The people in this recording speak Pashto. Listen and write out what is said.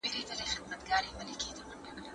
کفن نه غواړم، د ژوند جامو کې درومم